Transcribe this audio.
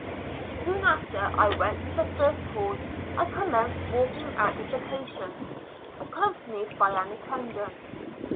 Soon after I went to the fii'st hall I com« menced walking out with the patients, accompanied by an attendant.